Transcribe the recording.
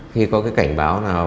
khi có cái cảnh báo nào